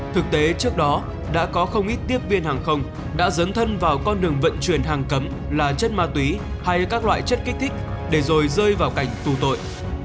thực tế trước đó đã có không ít tiếp viên hàng không đã dấn thân vào con đường vận chuyển hàng cấm là chất ma túy hay các loại chất kích thích để rồi rơi vào cảnh tù tội